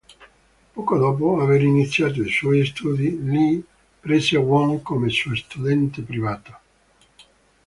Poco dopo aver iniziato i suoi studi, Lee prese Wong come suo studente privato.